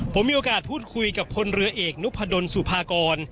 ผมมีโอกาสพูดคุยกับคนเรือเอกนพดลสุภากร